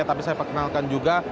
tapi saya perkenalkan juga